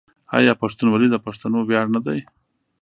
آیا پښتونولي د پښتنو ویاړ نه ده؟